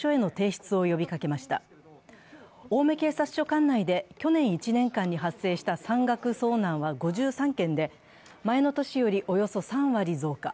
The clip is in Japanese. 管内で去年１年間に発生した山岳遭難は５３件で、前の年よりおよそ３割増加。